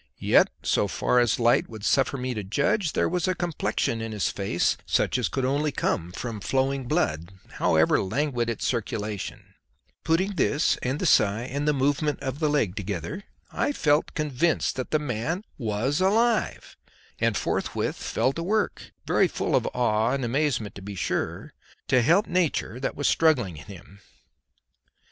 Yet, so far as the light would suffer me to judge, there was a complexion in his face such as could only come with flowing blood, however languid its circulation, and putting this and the sigh and the movement of the leg together, I felt convinced that the man was alive, and forthwith fell to work, very full of awe and amazement to be sure, to help nature that was struggling in him.